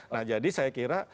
nah jadi saya kira